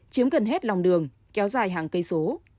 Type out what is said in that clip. chiếm gần hết lòng đường kéo dài hàng cây số